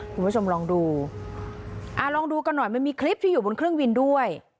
คุณผู้ชมลองดูอ่าลองดูกันหน่อยมันมีคลิปที่อยู่บนเครื่องบินด้วย